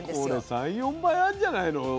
これ３４倍あるんじゃないの？